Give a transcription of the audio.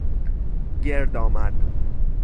گرد آمد